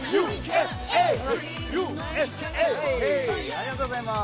ありがとうございます。